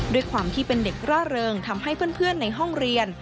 ด้วยความที่เป็นเด็กร่าเริงทำให้เพื่อนในห้องเรียน